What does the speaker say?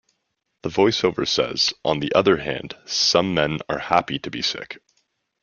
The voiceover says: On the other hand, some men are happy to be sick.